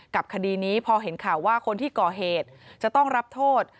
คดีนี้พอเห็นข่าวว่าคนที่ก่อเหตุจะต้องรับโทษ